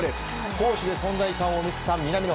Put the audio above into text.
攻守で存在感を見せた南野。